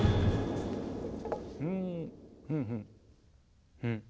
ふんふんふんふん。